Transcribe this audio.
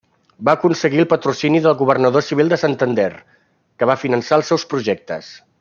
Van aconseguir el patrocini del governador civil de Santander, que va finançar els seus projectes.